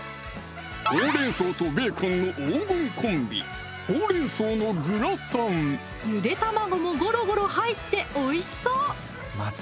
ほうれん草とベーコンの黄金コンビゆで卵もゴロゴロ入っておいしそう！